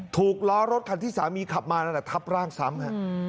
ถูกล้อรถคันที่สามีขับมานั่นแหละทับร่างซ้ำฮะ